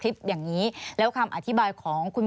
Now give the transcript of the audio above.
มีความรู้สึกว่ามีความรู้สึกว่า